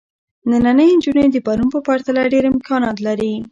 نننۍ نجونې د پرون په پرتله ډېر امکانات لري.